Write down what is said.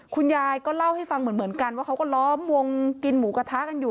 คุณยายก็เล่าให้ฟังเหมือนกันว่าเขาก็ล้อมวงกินหมูกระทะกันอยู่